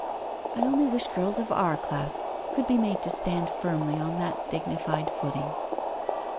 I only wish girls of our class could be made to stand firmly on that dignified footing.